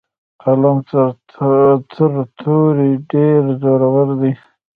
قلم تر تورې ډیر زورور دی.